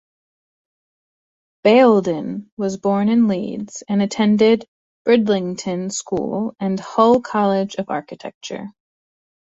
Bayldon was born in Leeds and attended Bridlington School and Hull College of Architecture.